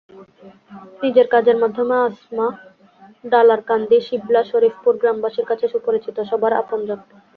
নিজের কাজের মাধ্যমে আসমা ডালারকান্দি, শিবলা, শরীফপুর গ্রামবাসীর কাছে সুপরিচিত, সবার আপনজন।